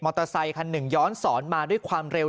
มอเตอร์ไซค์๑ย้อนสอนมาด้วยความเร็ว